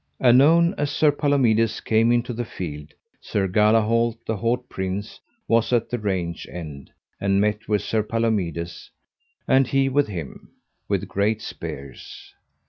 Anon as Sir Palomides came into the field, Sir Galahalt, the haut prince, was at the range end, and met with Sir Palomides, and he with him, with great spears.